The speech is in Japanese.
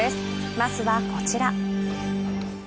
まずはこちら。